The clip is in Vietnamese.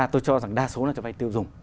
tôi cho rằng đa số là cho vay tiêu dùng